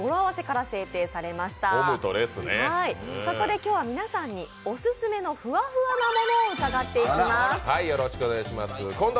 今日は皆さんにオススメのフワフワなものを伺っていきます。